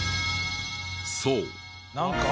そう。